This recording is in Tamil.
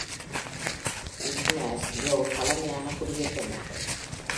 Whitnash மிகவும் பழமையான குடியேற்றமாகும்.